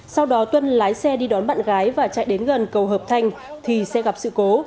sau đó tuân lái xe đi đón bạn gái và chạy đến gần cầu hợp thanh thì xe gặp sự cố